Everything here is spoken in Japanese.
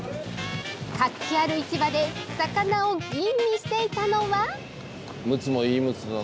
活気ある市場で魚を吟味していたのは。